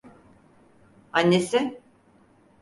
Annesi…